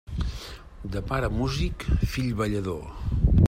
De pare músic, fill ballador.